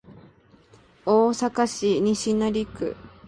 大阪市西成区